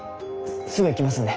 すぐ行きますんで。